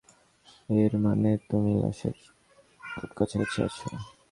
এর মানে তুমি লাশের খুব কাছাকাছি আছো।